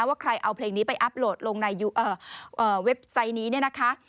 ว่าใครเอาเพลงนี้ไปอัพโหลดลงในเว็บไซต์นี้เนี่ยนะคะ